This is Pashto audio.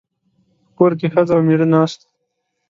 په کور کې ښځه او مېړه ناست وو.